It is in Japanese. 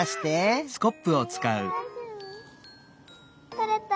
とれた。